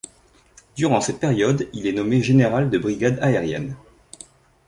Durant cette période, il est nommé général de brigade aérienne.